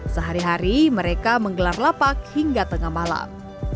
sehari hari mereka menggelar lapak hingga tengah malam